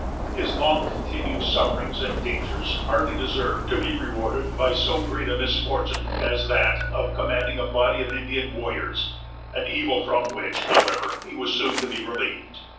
His long continued sufferings and dangers hardly deserved to be rewarded by so great a misfortune as that of commanding a body of Indian warriors; an evil from which, however, he was soon to be relieved.